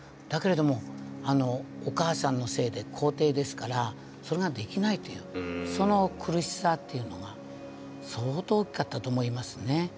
だけれどもお母さんのせいで皇帝ですからそれができないというその苦しさっていうのが相当大きかったと思いますね。